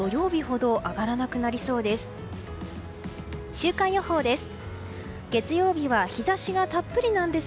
週間予報です。